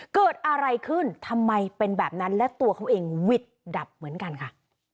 เกิดอะไรขึ้นทำไมเป็นแบบนั้นและตัวเขาเองหวิดดับเหมือนกันค่ะ